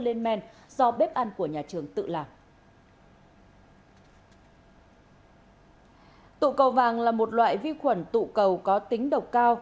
lên men do bếp ăn của nhà trường tự làm tụ cầu vàng là một loại vi khuẩn tụ cầu có tính độc cao